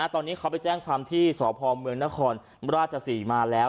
ตอนนี้เขาไปแจ้งความที่สพเมืองนครราชศรีมาแล้ว